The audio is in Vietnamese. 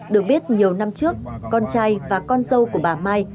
được biết nhiều năm trước con trai và con dâu của bà mai